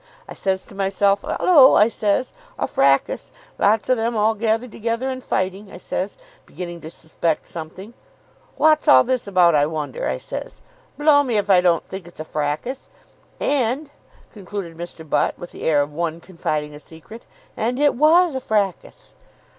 I says to myself, ''Allo,' I says, 'a frakkus. Lots of them all gathered together, and fighting.' I says, beginning to suspect something, 'Wot's this all about, I wonder?' I says. 'Blow me if I don't think it's a frakkus.' And," concluded Mr. Butt, with the air of one confiding a secret, "and it was a frakkus!"